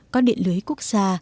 có điện lưới quốc gia